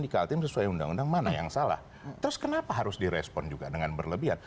di kaltim sesuai undang undang mana yang salah terus kenapa harus direspon juga dengan berlebihan